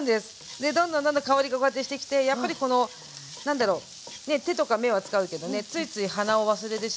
でどんどんどんどん香りがこうやってしてきてやっぱりこの何だろうね手とか目は使うけどねついつい鼻を忘れてしまう。